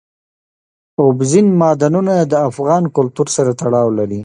اوبزین معدنونه د افغان کلتور سره تړاو لري.